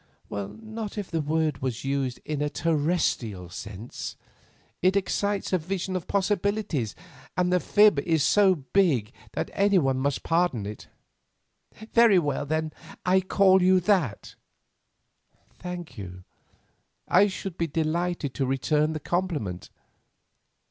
"Not if the word was used in a terrestrial sense. It excites a vision of possibilities, and the fib is so big that anyone must pardon it." "Very well, then; I call you that." "Thank you, I should be delighted to return the compliment.